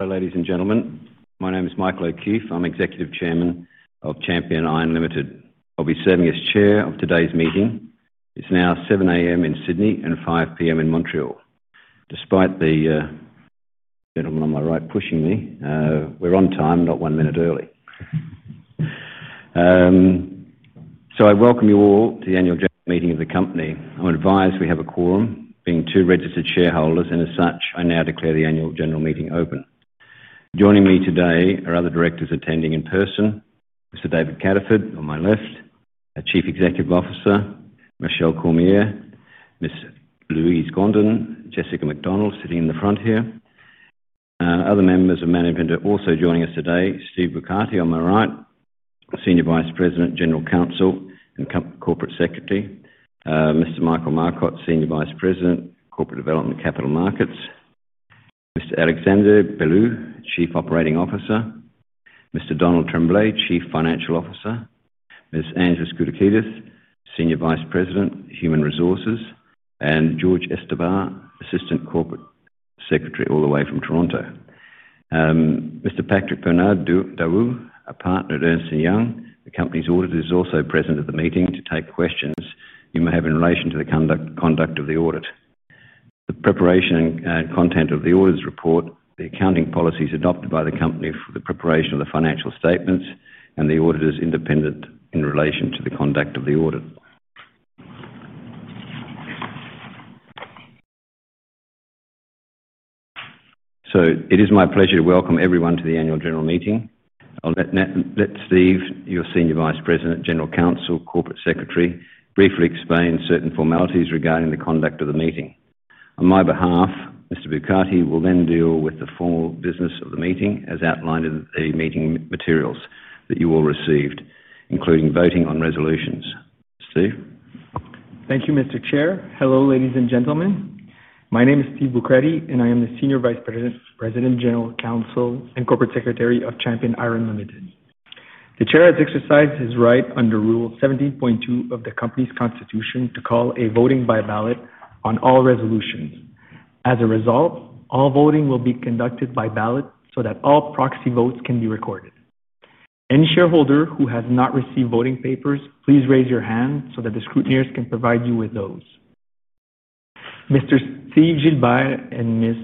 Ladies and gentlemen, my name is Michael O’Keeffe. I’m Executive Chairman of Champion Iron Limited. I’ll be serving as Chair of today’s meeting. It’s now 7:00 A.M. in Sydney and 5:00 P.M. in Montreal. Despite the gentleman on my right pushing me, we’re on time, not one minute early. I welcome you all to the annual general meeting of the company. I’m advised we have a quorum, being two registered shareholders, and as such, I now declare the annual general meeting open. Joining me today are other directors attending in person, Mr. David Cataford on my left, our Chief Executive Officer, Michelle Cormier, Ms. Louise Gondon, Jessica McDonald sitting in the front here. Other members of management are also joining us today. Steve Boucratie on my right, Senior Vice President, General Counsel, and Corporate Secretary. Mr. Michael Marcotte, Senior Vice President, Corporate Development and Capital Markets. Mr. Alexandre Belleau, Chief Operating Officer. Mr. Donald Tremblay, Chief Financial Officer. Ms. Angela Scuticatis, Senior Vice President, Human Resources. And Jorge Estepa, Assistant Corporate Secretary, all the way from Toronto. Mr. Patrick Bernard-Darroux, a partner at Ernst & Young, the company’s auditor, is also present at the meeting to take questions you may have in relation to the conduct of the audit, the preparation and content of the auditor’s report, the accounting policies adopted by the company for the preparation of the financial statements, and the auditor’s independence in relation to the conduct of the audit. It is my pleasure to welcome everyone to the annual general meeting. I’ll let Steve, your Senior Vice President, General Counsel, Corporate Secretary, briefly explain certain formalities regarding the conduct of the meeting. On my behalf, Mr. Boucratie will then deal with the formal business of the meeting as outlined in the meeting materials that you all received, including voting on resolutions. Steve? Thank you, Mr. Chair. Hello, ladies and gentlemen. My name is Steve Boucratie and I am the Senior Vice President, General Counsel, and Corporate Secretary of Champion Iron Limited. The Chair has exercised his right under Rule 17.2 of the company's Constitution to call a voting by ballot on all resolutions. As a result, all voting will be conducted by ballot so that all proxy votes can be recorded. Any shareholder who has not received voting papers, please raise your hand so that the scrutineer can provide you with those. Mr. Steve Gilbert and Ms.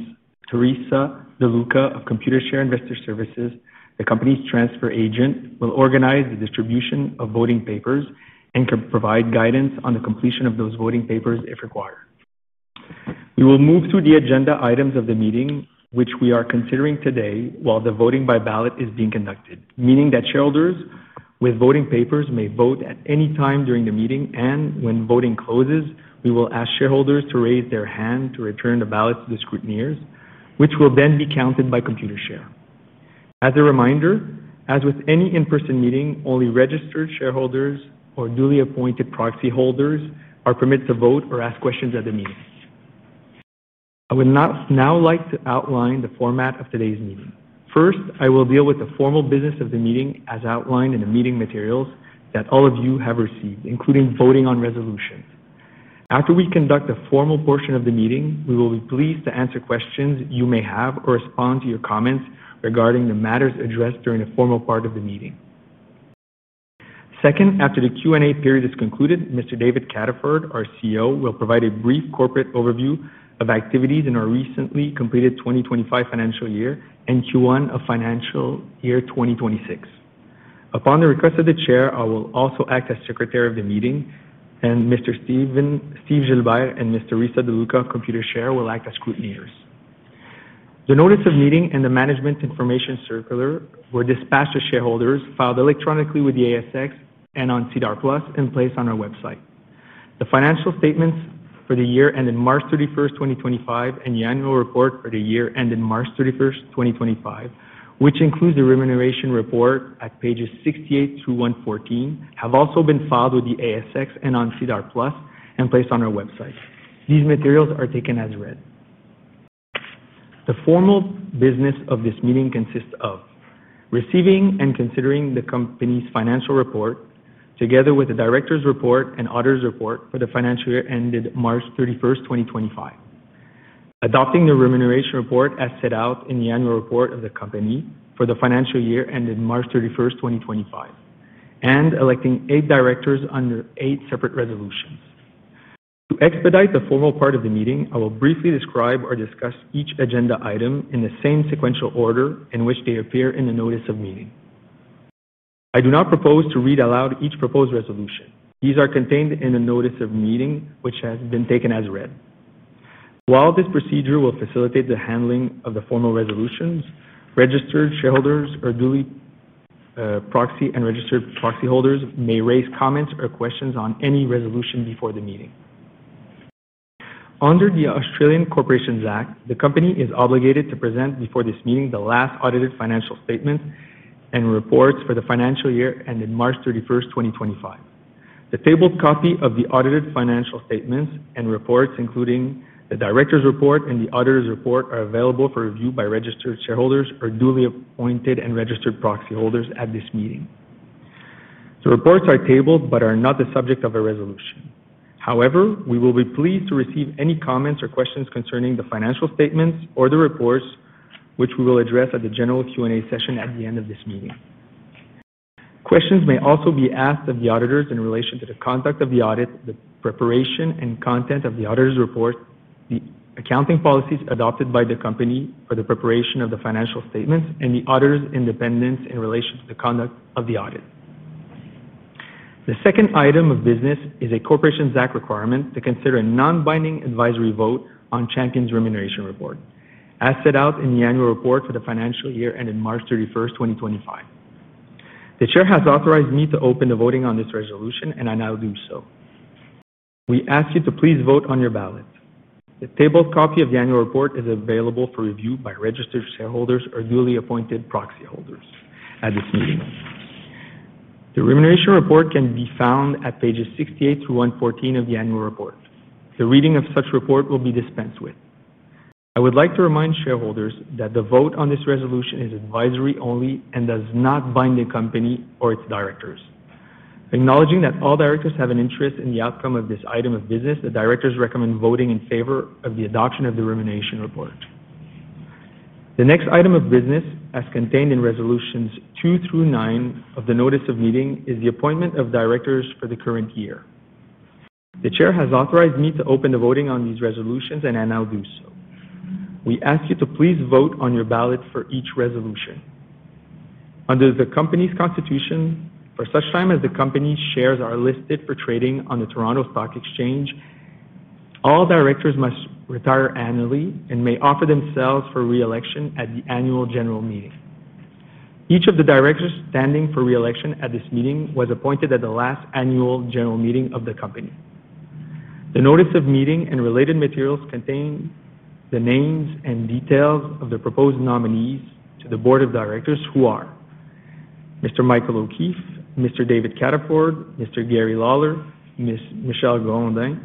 Teresa De Luca of Computershare Investor Services, the company's transfer agent, will organize the distribution of voting papers and can provide guidance on the completion of those voting papers if required. We will move to the agenda items of the meeting, which we are considering today while the voting by ballot is being conducted, meaning that shareholders with voting papers may vote at any time during the meeting, and when voting closes, we will ask shareholders to raise their hand to return the ballots to the scrutineers, which will then be counted by Computershare. As a reminder, as with any in-person meeting, only registered shareholders or duly appointed proxy holders are permitted to vote or ask questions at the meeting. I would now like to outline the format of today's meeting. First, I will deal with the formal business of the meeting as outlined in the meeting materials that all of you have received, including voting on resolutions. After we conduct a formal portion of the meeting, we will be pleased to answer questions you may have or respond to your comments regarding the matters addressed during a formal part of the meeting. Second, after the Q&A period is concluded, Mr. David Cataford, our CEO, will provide a brief corporate overview of activities in our recently completed 2025 financial year and Q1 of financial year 2026. Upon the request of the Chair, I will also act as Secretary of the Meeting, and Mr. Steve Gilbert and Ms. Teresa De Luca of Computershare will act as scrutineers. The notice of meeting and the management information circular were dispatched to shareholders, filed electronically with the ASX and on SEDAR+, and placed on our website. The financial statements for the year ended March 31, 2025, and the annual report for the year ended March 31, 2025, which includes the remuneration report at pages 68 through 114, have also been filed with the ASX and on SEDAR+ and placed on our website. These materials are taken as read. The formal business of this meeting consists of receiving and considering the company's financial report, together with the director's report and auditor's report for the financial year ended March 31, 2025, adopting the remuneration report as set out in the annual report of the company for the financial year ended March 31, 2025, and electing eight directors under eight separate resolutions. To expedite the formal part of the meeting, I will briefly describe or discuss each agenda item in the same sequential order in which they appear in the notice of meeting. I do not propose to read aloud each proposed resolution. These are contained in the notice of meeting, which has been taken as read. While this procedure will facilitate the handling of the formal resolutions, registered shareholders or duly proxy and registered proxy holders may raise comments or questions on any resolution before the meeting. Under the Australian Corporations Act, the company is obligated to present before this meeting the last audited financial statements and reports for the financial year ended March 31, 2025. The tabled copy of the audited financial statements and reports, including the director's report and the auditor's report, are available for review by registered shareholders or duly appointed and registered proxy holders at this meeting. The reports are tabled but are not the subject of a resolution. However, we will be pleased to receive any comments or questions concerning the financial statements or the reports, which we will address at the general Q&A session at the end of this meeting. Questions may also be asked of the auditors in relation to the conduct of the audit, the preparation and content of the auditor's report, the accounting policies adopted by the company for the preparation of the financial statements, and the auditor's independence in relation to the conduct of the audit. The second item of business is a Corporations Act requirement to consider a non-binding advisory vote on Champion's remuneration report, as set out in the annual report for the financial year ended March 31, 2025. The Chair has authorized me to open the voting on this resolution, and I now do so. We ask you to please vote on your ballots. The tabled copy of the annual report is available for review by registered shareholders or duly appointed proxy holders at this meeting. The remuneration report can be found at pages 68 through 114 of the annual report. The reading of such report will be dispensed with. I would like to remind shareholders that the vote on this resolution is advisory only and does not bind the company or its directors. Acknowledging that all directors have an interest in the outcome of this item of business, the directors recommend voting in favor of the adoption of the remuneration report. The next item of business, as contained in resolutions two through nine of the notice of meeting, is the appointment of directors for the current year. The Chair has authorized me to open the voting on these resolutions, and I now do so. We ask you to please vote on your ballot for each resolution. Under the company's Constitution, for such time as the company's shares are listed for trading on the Toronto Stock Exchange, all directors must retire annually and may offer themselves for reelection at the annual general meeting. Each of the directors standing for reelection at this meeting was appointed at the last annual general meeting of the company. The notice of meeting and related materials contain the names and details of the proposed nominees to the Board of Directors, who are: Mr. Michael O’Keeffe, Mr. David Cataford, Mr. Gary Lawler, Ms. Michelle Cormier,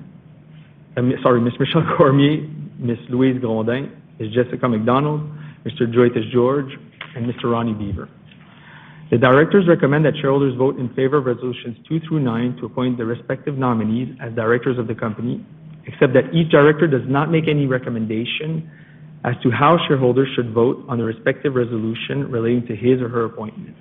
Ms. Louise Gondon, Ms. Jessica McDonald, Mr. Joy Tesh-George, and Mr. Ronnie Beaver. The directors recommend that shareholders vote in favor of resolutions two through nine to appoint the respective nominees as directors of the company, except that each director does not make any recommendation as to how shareholders should vote on the respective resolution relating to his or her appointment.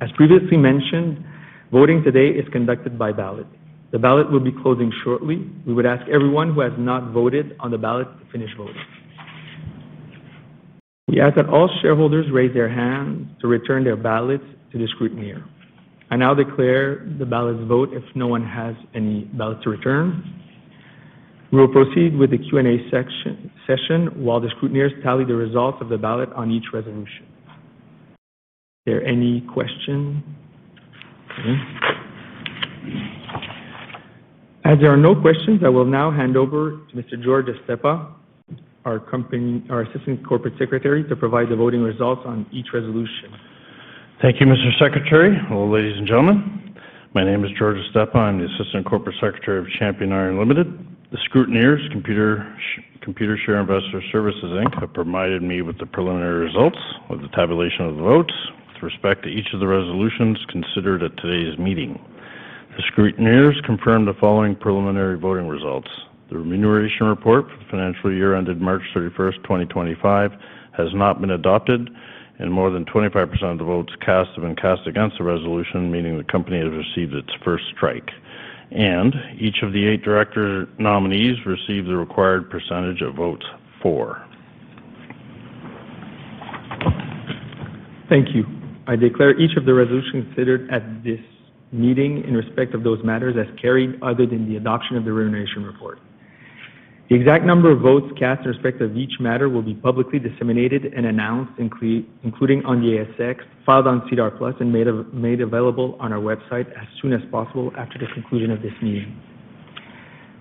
As previously mentioned, voting today is conducted by ballot. The ballot will be closing shortly. We would ask everyone who has not voted on the ballot to finish voting. We ask that all shareholders raise their hand to return their ballots to the scrutineer. I now declare the ballot vote if no one has any ballots to return. We will proceed with the Q&A session while the scrutineers tally the results of the ballot on each resolution. Is there any question? As there are no questions, I will now hand over to Mr. Jorge Estepa, our Assistant Corporate Secretary, to provide the voting results on each resolution. Thank you, Mr. Secretary. Ladies and gentlemen, my name is Jorge Estepa. I'm the Assistant Corporate Secretary of Champion Iron Limited. The scrutineers, Computershare Investor Services, have provided me with the preliminary results of the tabulation of the votes with respect to each of the resolutions considered at today's meeting. The scrutineers confirmed the following preliminary voting results: the remuneration report for the financial year ended March 31, 2025, has not been adopted, and more than 25% of the votes cast have been cast against the resolution, meaning the company has received its first strike. Each of the eight director nominees received the required percentage of votes for. Thank you. I declare each of the resolutions considered at this meeting in respect of those matters as carried other than the adoption of the remuneration report. The exact number of votes cast in respect of each matter will be publicly disseminated and announced, including on the ASX, filed on SEDAR+, and made available on our website as soon as possible after the conclusion of this meeting.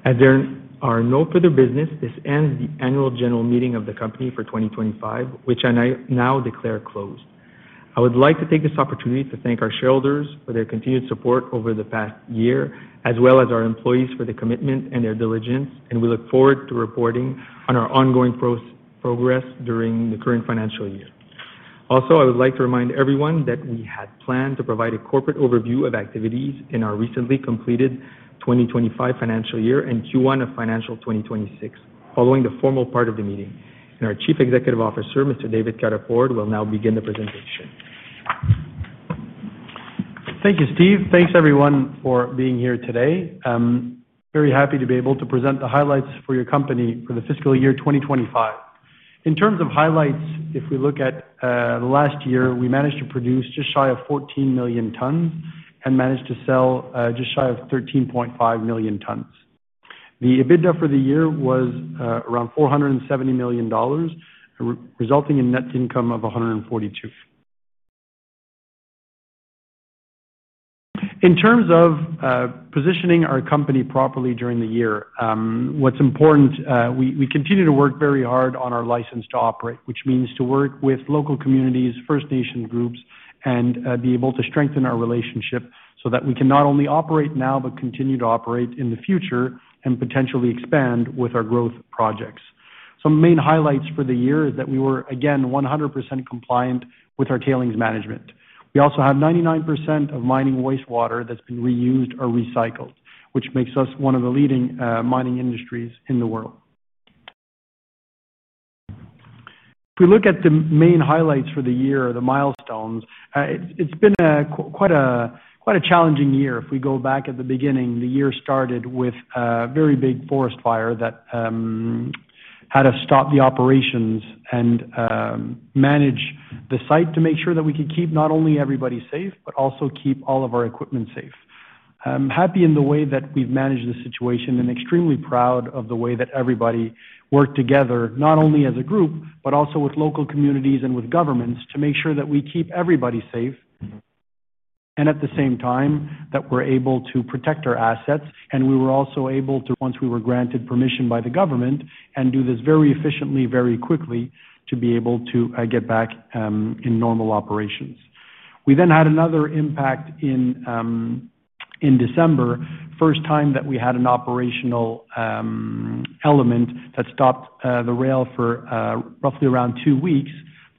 As there is no further business, this ends the annual general meeting of the company for 2025, which I now declare closed. I would like to take this opportunity to thank our shareholders for their continued support over the past year, as well as our employees for their commitment and their diligence, and we look forward to reporting on our ongoing progress during the current financial year. Also, I would like to remind everyone that we had planned to provide a corporate overview of activities in our recently completed 2025 financial year and Q1 of financial 2026. Following the formal part of the meeting, our Chief Executive Officer, Mr. David Cataford, will now begin the presentation. Thank you, Steve. Thanks, everyone, for being here today. I'm very happy to be able to present the highlights for your company for the fiscal year 2025. In terms of highlights, if we look at last year, we managed to produce just shy of 14 million tons and managed to sell just shy of 13.5 million tons. The EBITDA for the year was around $470 million, resulting in a net income of $142 million. In terms of positioning our company properly during the year, what's important, we continue to work very hard on our license to operate, which means to work with local communities, First Nations groups, and be able to strengthen our relationship so that we can not only operate now but continue to operate in the future and potentially expand with our growth projects. Some main highlights for the year are that we were, again, 100% compliant with our tailings management. We also have 99% of mining wastewater that's been reused or recycled, which makes us one of the leading mining industries in the world. If we look at the main highlights for the year, the milestones, it's been quite a challenging year. If we go back at the beginning, the year started with a very big forest fire that had us stop the operations and manage the site to make sure that we could keep not only everybody safe but also keep all of our equipment safe. I'm happy in the way that we've managed the situation and extremely proud of the way that everybody worked together, not only as a group but also with local communities and with governments, to make sure that we keep everybody safe. At the same time, we're able to protect our assets, and we were also able to, once we were granted permission by the government, do this very efficiently, very quickly, to be able to get back in normal operations. We then had another impact in December, the first time that we had an operational element that stopped the rail for roughly around two weeks.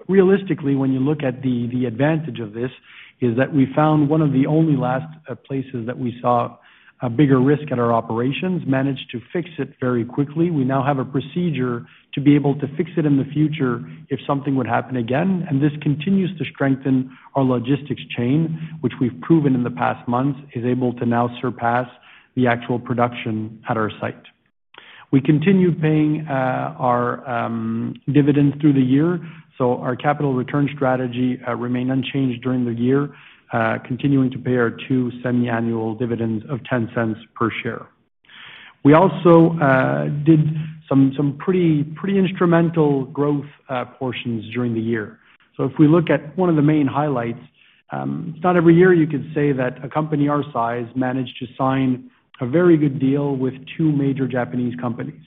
Realistically, when you look at the advantage of this, is that we found one of the only last places that we saw a bigger risk at our operations, managed to fix it very quickly. We now have a procedure to be able to fix it in the future if something would happen again. This continues to strengthen our logistics chain, which we've proven in the past months is able to now surpass the actual production at our site. We continue paying our dividends through the year, so our capital return strategy remained unchanged during the year, continuing to pay our two semiannual dividends of $0.10 per share. We also did some pretty instrumental growth portions during the year. If we look at one of the main highlights, not every year you could say that a company our size managed to sign a very good deal with two major Japanese companies.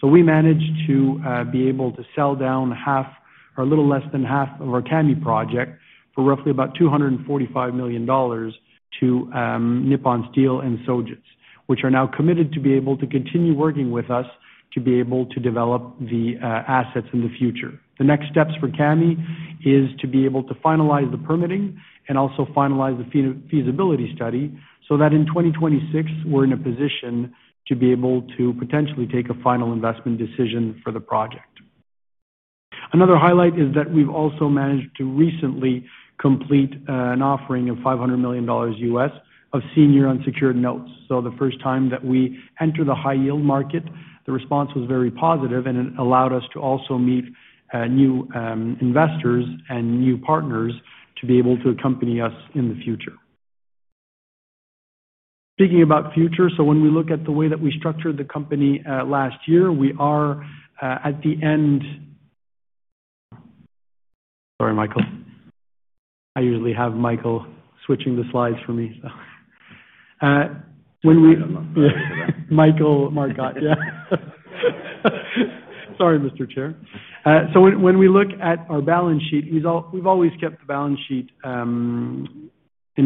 We managed to be able to sell down half or a little less than half of our Kami project for roughly about $245 million to Nippon Steel and Sojitz, which are now committed to be able to continue working with us to be able to develop the assets in the future. The next steps for Kami is to be able to finalize the permitting and also finalize the feasibility study so that in 2026, we're in a position to be able to potentially take a final investment decision for the project. Another highlight is that we've also managed to recently complete an offering of $500 million of senior unsecured notes. The first time that we entered the high-yield market, the response was very positive, and it allowed us to also meet new investors and new partners to be able to accompany us in the future. Speaking about future, when we look at the way that we structured the company last year, we are at the end. Sorry, Michael. I usually have Michael switching the slides for me. Michael, Marcotte, yeah. Sorry, Mr. Chair. When we look at our balance sheet, we've always kept the balance sheet in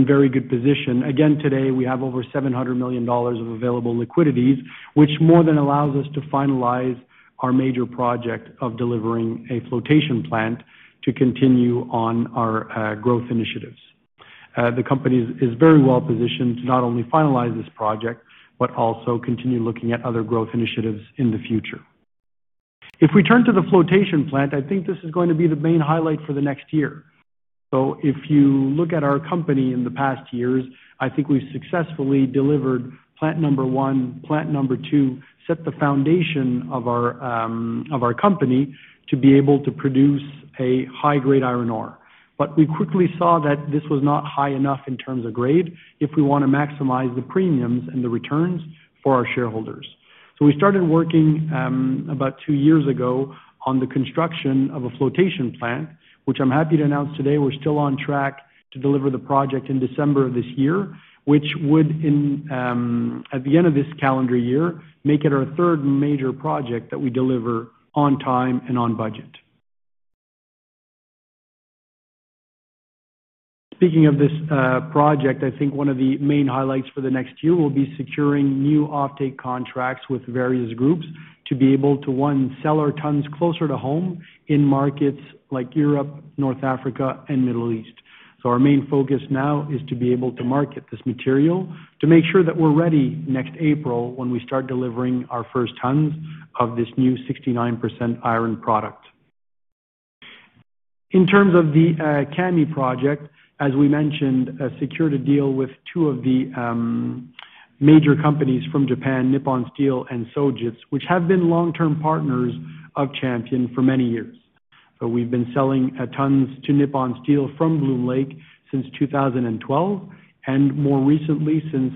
very good position. Again, today we have over $700 million of available liquidities, which more than allows us to finalize our major project of delivering a flotation plant to continue on our growth initiatives. The company is very well positioned to not only finalize this project but also continue looking at other growth initiatives in the future. If we turn to the flotation plant, I think this is going to be the main highlight for the next year. If you look at our company in the past years, I think we've successfully delivered plant number one, plant number two, set the foundation of our company to be able to produce a high-grade iron ore. We quickly saw that this was not high enough in terms of grade if we want to maximize the premiums and the returns for our shareholders. We started working about two years ago on the construction of a flotation plant, which I'm happy to announce today we're still on track to deliver the project in December of this year, which would, at the end of this calendar year, make it our third major project that we deliver on time and on budget. Speaking of this project, I think one of the main highlights for the next year will be securing new offtake contracts with various groups to be able to, one, sell our tons closer to home in markets like Europe, North Africa, and Middle East. Our main focus now is to be able to market this material to make sure that we're ready next April when we start delivering our first tons of this new 69% iron product. In terms of the Kami project, as we mentioned, secured a deal with two of the major companies from Japan, Nippon Steel and Sojitz, which have been long-term partners of Champion for many years. We've been selling tons to Nippon Steel from Bloom Lake since 2012 and more recently since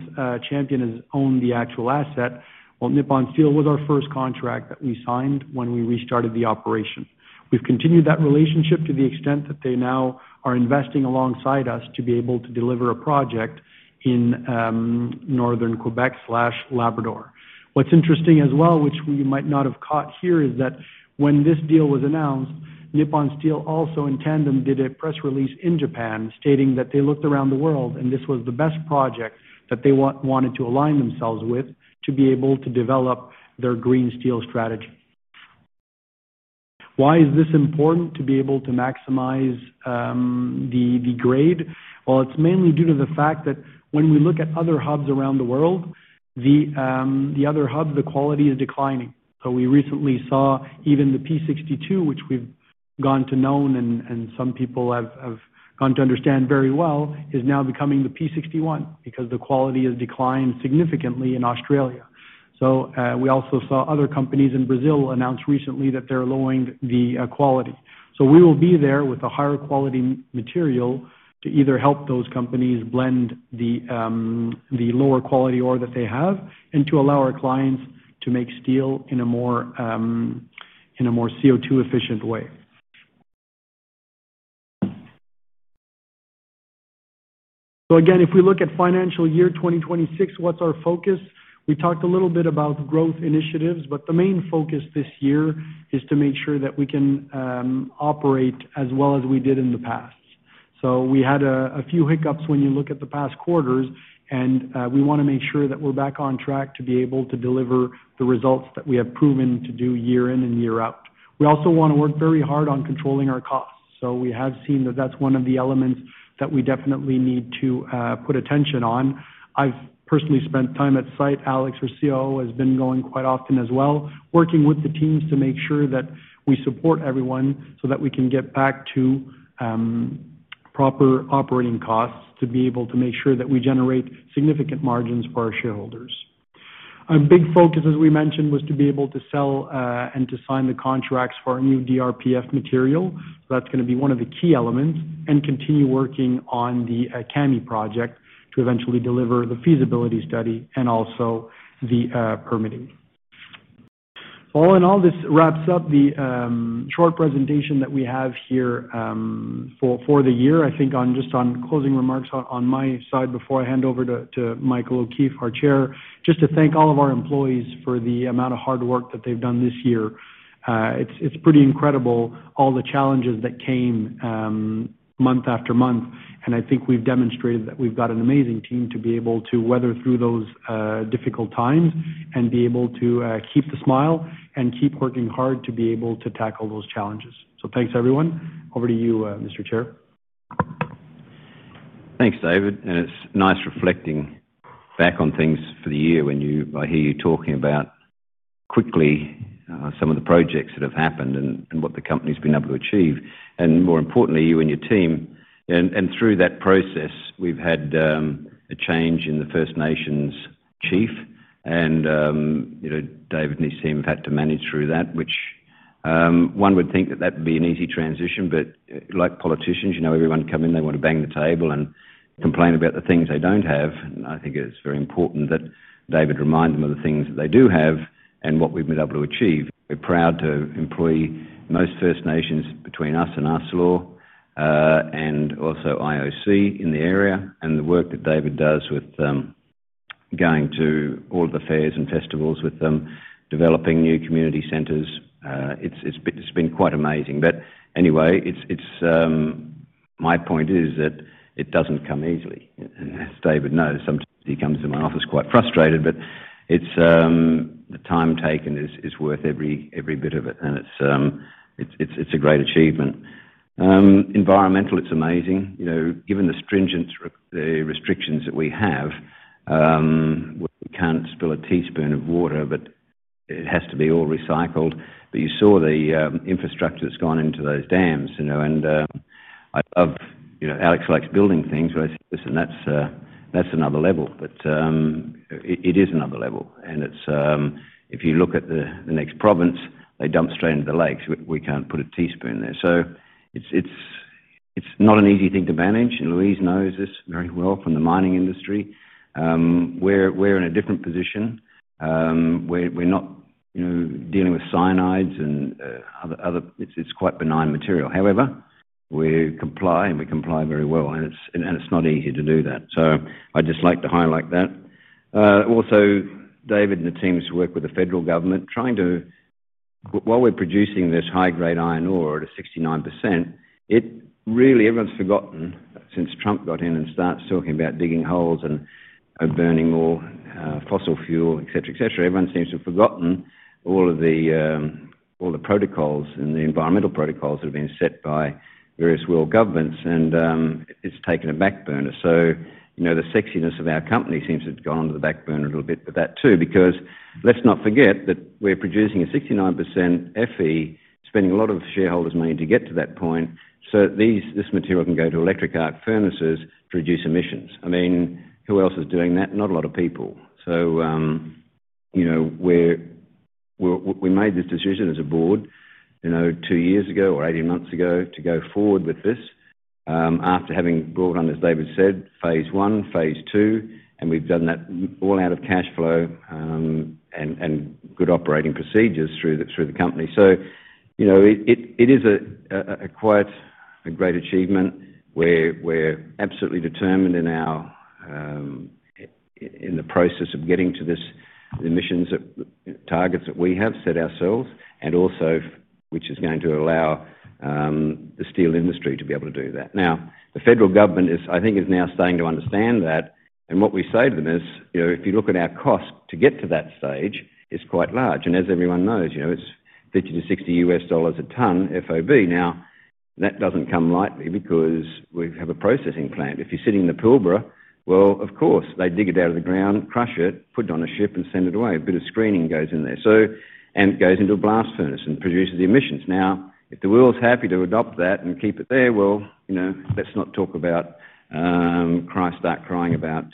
Champion has owned the actual asset. Nippon Steel was our first contract that we signed when we restarted the operation. We've continued that relationship to the extent that they now are investing alongside us to be able to deliver a project in Northern Quebec/Labrador. What's interesting as well, which we might not have caught here, is that when this deal was announced, Nippon Steel also in tandem did a press release in Japan stating that they looked around the world and this was the best project that they wanted to align themselves with to be able to develop their green steel strategy. Why is this important to be able to maximize the grade? It's mainly due to the fact that when we look at other hubs around the world, the other hub, the quality is declining. We recently saw even the P62, which we've gone to know and some people have gone to understand very well, is now becoming the P61 because the quality has declined significantly in Australia. We also saw other companies in Brazil announce recently that they're lowering the quality. We will be there with a higher quality material to either help those companies blend the lower quality ore that they have and to allow our clients to make steel in a more CO2-efficient way. If we look at financial year 2026, what's our focus? We talked a little bit about growth initiatives, but the main focus this year is to make sure that we can operate as well as we did in the past. We had a few hiccups when you look at the past quarters, and we want to make sure that we're back on track to be able to deliver the results that we have proven to do year in and year out. We also want to work very hard on controlling our costs. We have seen that that's one of the elements that we definitely need to put attention on. I've personally spent time at site. Alex, our COO, has been going quite often as well, working with the teams to make sure that we support everyone so that we can get back to proper operating costs to be able to make sure that we generate significant margins for our shareholders. Our big focus, as we mentioned, was to be able to sell and to sign the contracts for our new DRPF material. That's going to be one of the key elements and continue working on the Kami project to eventually deliver the feasibility study and also the permitting. All in all, this wraps up the short presentation that we have here for the year. I think just on closing remarks on my side before I hand over to Michael O’Keeffe, our Chair, just to thank all of our employees for the amount of hard work that they've done this year. It's pretty incredible all the challenges that came month after month, and I think we've demonstrated that we've got an amazing team to be able to weather through those difficult times and be able to keep the smile and keep working hard to be able to tackle those challenges. Thanks, everyone. Over to you, Mr. Chair. Thanks, David. It's nice reflecting back on things for the year when I hear you talking about quickly some of the projects that have happened and what the company's been able to achieve. More importantly, you and your team. Through that process, we've had a change in the First Nations chief, and David and his team have had to manage through that, which one would think that would be an easy transition. Like politicians, you know everyone comes in, they want to bang the table and complain about the things they don't have. I think it's very important that David remind them of the things that they do have and what we've been able to achieve. We're proud to employ most First Nations between us and Arcelor and also IOC in the area. The work that David does with going to all of the fairs and festivals with them, developing new community centers, it's been quite amazing. My point is that it doesn't come easily. As David knows, sometimes he comes to my office quite frustrated, but the time taken is worth every bit of it, and it's a great achievement. Environmentally, it's amazing. Given the stringent restrictions that we have, we can't spill a teaspoon of water, but it has to be all recycled. You saw the infrastructure that's gone into those dams. Alex likes building things, but I said, "Listen, that's another level." It is another level. If you look at the next province, they dump straight into the lakes. We can't put a teaspoon there. It's not an easy thing to manage. Louise knows this very well from the mining industry. We're in a different position. We're not dealing with cyanides and other—it's quite benign material. However, we comply, and we comply very well. It's not easy to do that. I'd just like to highlight that. Also, David and the teams who work with the federal government trying to—while we're producing this high-grade iron ore at a 69%, it really—everyone's forgotten since Trump got in and started talking about digging holes and burning more fossil fuel, etc., etc. Everyone seems to have forgotten all of the protocols and the environmental protocols that have been set by various world governments. It's taken a backburner. The sexiness of our company seems to have gone onto the backburner a little bit with that too, because let's not forget that we're producing a 69% Fe, spending a lot of shareholders' money to get to that point so that this material can go to electric arc furnaces to reduce emissions. I mean, who else is doing that? Not a lot of people. We made this decision as a board two years ago or 18 months ago to go forward with this after having brought on, as David said, phase I, phase II, and we've done that all out of cash flow and good operating procedures through the company. It is quite a great achievement. We're absolutely determined in the process of getting to the emissions targets that we have set ourselves, and also which is going to allow the steel industry to be able to do that. The federal government, I think, is now starting to understand that. What we say to them is, if you look at our cost to get to that stage, it's quite large. As everyone knows, it's $50-$60 a ton FOB. That doesn't come lightly because we have a processing plant. If you're sitting in the Pilbara, of course, they dig it out of the ground, crush it, put it on a ship, and send it away. A bit of screening goes in there. It goes into a blast furnace and produces the emissions. If the world's happy to adopt that and keep it there, let's not talk about Christ's Ark crying about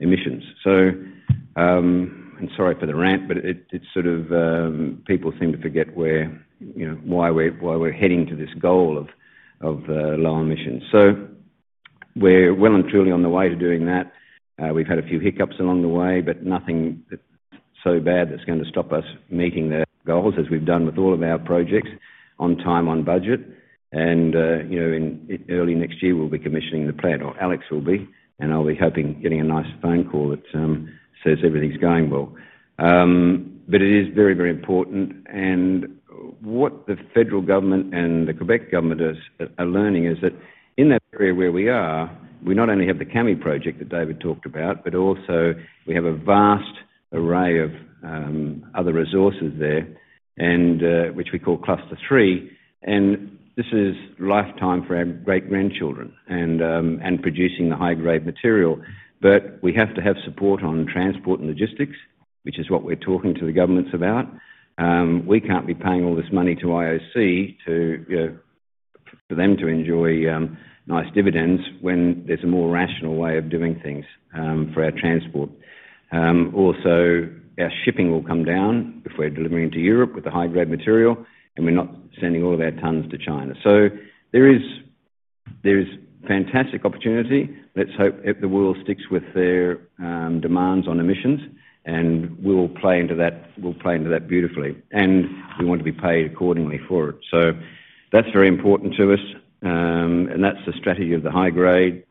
emissions. I'm sorry for the rant, but people seem to forget why we're heading to this goal of lower emissions. We're well and truly on the way to doing that. We've had a few hiccups along the way, but nothing so bad that's going to stop us meeting the goals, as we've done with all of our projects, on time, on budget. In early next year, we'll be commissioning the plant, or Alex will be, and I'll be hoping getting a nice phone call that says everything's going well. It is very, very important. What the federal government and the Quebec government are learning is that in that area where we are, we not only have the Kami project that David talked about, but also we have a vast array of other resources there, which we call Cluster 3. This is lifetime for our great-grandchildren and producing the high-grade material. We have to have support on transport and logistics, which is what we're talking to the governments about. We can't be paying all this money to IOC for them to enjoy nice dividends when there's a more rational way of doing things for our transport. Also, our shipping will come down if we're delivering to Europe with the high-grade material, and we're not sending all of our tons to China. There is fantastic opportunity. Let's hope the world sticks with their demands on emissions, and we'll play into that beautifully. We want to be paid accordingly for it. That's very important to us. That's the strategy of the high-grade.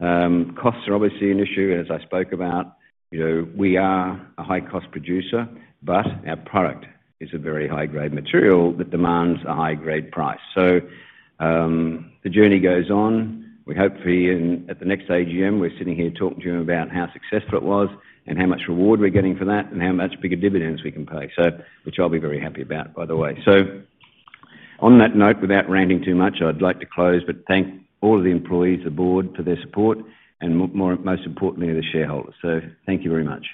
Costs are obviously an issue, as I spoke about. You know we are a high-cost producer, but our product is a very high-grade material that demands a high-grade price. The journey goes on. We hope for you at the next AGM, we're sitting here talking to you about how successful it was and how much reward we're getting for that and how much bigger dividends we can pay, which I'll be very happy about, by the way. On that note, without ranting too much, I'd like to close, but thank all of the employees of the board for their support and, most importantly, the shareholders. Thank you very much.